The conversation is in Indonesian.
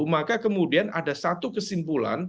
maka kemudian ada satu kesimpulan